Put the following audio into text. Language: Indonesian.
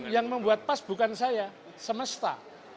yang membuat pas bukan saya semesta